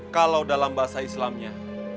kalau dalam bahasa islamnya